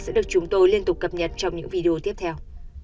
sẽ được chúng tôi liên tục cập nhật trong những video tiếp theo